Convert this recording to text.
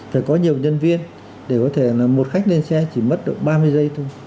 phải có nhiều nhân viên để có thể là một khách lên xe chỉ mất được ba mươi giây thôi